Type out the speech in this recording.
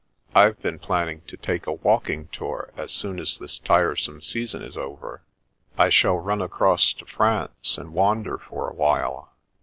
" I've been planning to take a walking tour as soon as this tiresome season is over. I shall run across to France and wander for a while.